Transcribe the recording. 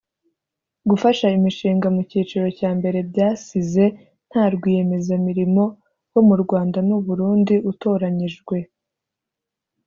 Gufasha imishinga mu cyiciro cya mbere byasize nta rwiyemezamirimo wo mu Rwanda n’u Burundi utoranyijwe